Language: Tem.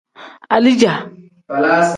Alija.